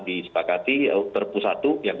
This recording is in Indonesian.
disepakati terpusatu yang